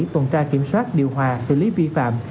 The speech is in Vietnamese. tồn tra kiểm soát điều hòa xử lý bi phạm